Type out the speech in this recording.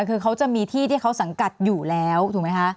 คือเขาจะมีที่ที่เขาสังกัดอยู่แล้วถูกไหมคะ